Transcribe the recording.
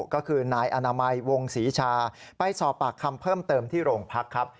ก็คือนายอนามัยวงศรีชาไปสอบปากคำเพิ่มเติมที่โรงพักครับ